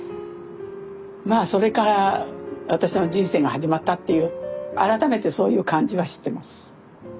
まあそれから私の人生が始まったっていう改めてそういう感じはしてます。